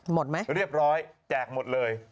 หมดไหมเรียบร้อยแจกหมดเลย